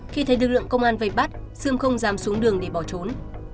khi thấy lực lượng công an vây bắt sươm không dám xuống đường để bỏ trốn